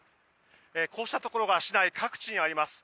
こうしたところが市内各地にあります。